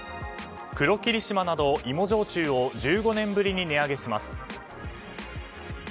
黒霧島など芋焼酎を１５年ぶりに値上げします。